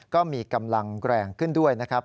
ก็มีกำลังแรงขึ้นด้วยนะครับ